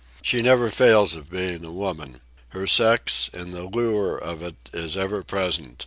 She never fails of being a woman. Her sex, and the lure of it, is ever present.